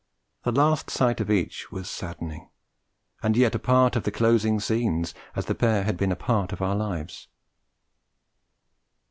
The last sight of each was saddening, and yet a part of the closing scenes, as the pair had been part of our lives.